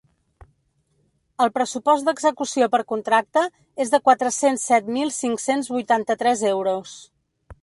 El pressupost d’execució per contracta és de quatre-cents set mil cinc-cents vuitanta-tres euros.